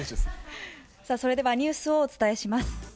さあそれでは、ニュースをお伝えします。